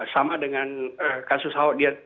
sama dengan kasus hawa